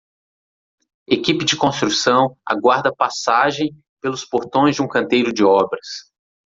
Equipe de construção aguarda passagem pelos portões de um canteiro de obras.